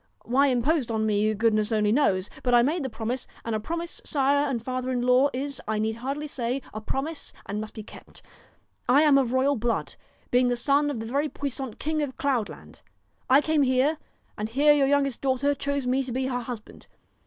Why imposed on me, good ness only knows, but I made the promise, and a promise, sire and father in law, is, I need hardly say, a promise and must be kept. I am of royal blood, being the son of the very puissant King of Cloud land. I came here, and here your youngest daughter chose me to be her husband.